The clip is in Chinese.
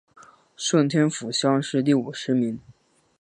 顺天府乡试第五十名。